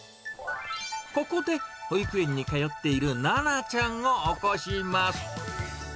ここで保育園に通っているななちゃんを起こします。